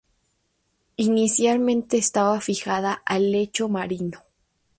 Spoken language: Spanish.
Inicialmente estaba fijada al lecho marino.